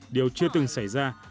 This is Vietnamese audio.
điều chưa từng xảy ra